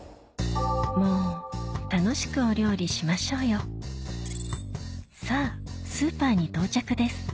もう楽しくお料理しましょうよさぁスーパーに到着です